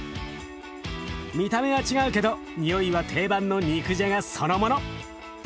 見た目は違うけどにおいは定番の肉じゃがそのもの。